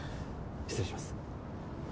失礼します。